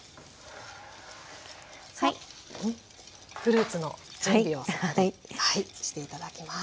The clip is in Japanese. フルーツの準備をして頂きます。